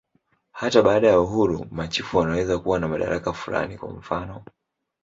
Hata baada ya uhuru, machifu wanaweza kuwa na madaraka fulani, kwa mfanof.